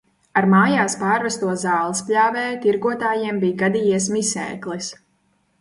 Ar mājās pārvesto zālespļāvēju tirgotājiem bija gadījies miseklis.